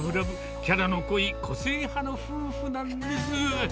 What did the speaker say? キャラの濃い個性派の夫婦なんです。